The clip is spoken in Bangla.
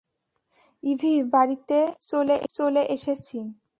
ইভি, বাড়িতে চলে এসেছি!